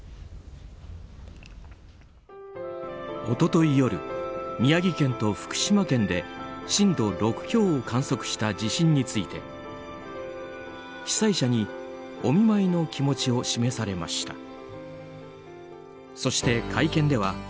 一昨日夜、宮城県と福島県で震度６強を観測した地震について被災者にお見舞いの気持ちを示されました。